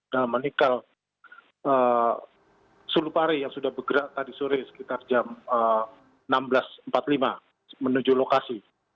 dalam menikah sulupare yang sudah bergerak tadi sore sekitar jam enam belas empat puluh lima menuju lokasi